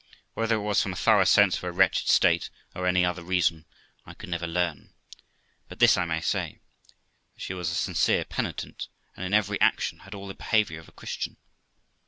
Whether it was from a thorough sense of her wretched state, or any other reason, I could never learn ; but this I may say, that she was a sincere penitent, and in every action had all the behaviour of a Christian.